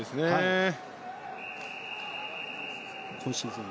今シーズン